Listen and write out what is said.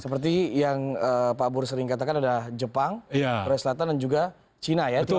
seperti yang pak burya sering katakan ada jepang raya selatan dan juga cina ya tiongkok ya